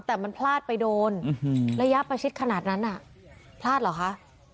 แต่มันพลาดไปโดนระยะประชิดขนาดนั้นพลาดเหรอคะ